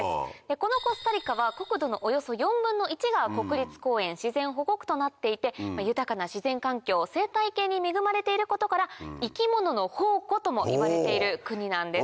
このコスタリカは国土のおよそ１／４が国立公園自然保護区となっていて豊かな自然環境生態系に恵まれていることから生き物の宝庫ともいわれている国なんです。